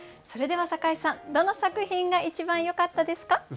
それでは酒井さんどの作品が一番よかったですか？